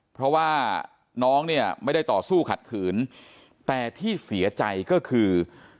เพราะว่าน้องเนี่ยไม่ได้ต่อสู้ขัดขืนแต่ที่เสียใจก็คือ